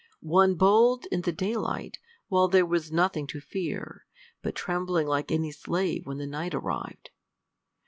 one bold in the daylight, while there was nothing to fear, but trembling like any slave when the night arrived.